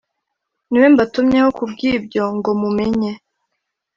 Ni we mbatumyeho ku bw ibyo ngo mumenye